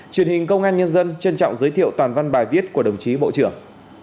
truyền hình công an nhân dân trân trọng giới thiệu toàn văn bài viết của đồng chí bộ trưởng